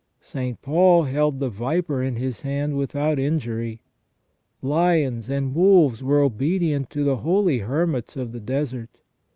St. Paul held the viper in his hand without injury. Lions and wolves were obedient to the holy hermits of the desert.